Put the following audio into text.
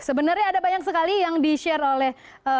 sebenarnya ada banyak sekali yang di share oleh